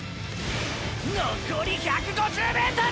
のこり１５０ｍ！！